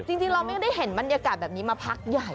จริงเราไม่ได้เห็นบรรยากาศแบบนี้มาพักใหญ่